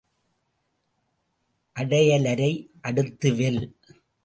அடையலரை அடுத்து வெல்.